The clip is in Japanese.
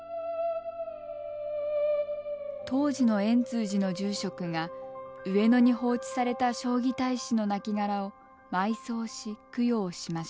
当時の円通寺の住職が上野に放置された彰義隊士の亡骸を埋葬し供養しました。